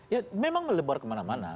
ya memang melebar kemana mana